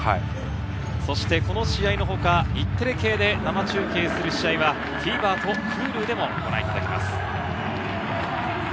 そしてこの試合の他、日テレ系で生中継する試合はＴＶｅｒとＨｕｌｕでも、ご覧いただけます。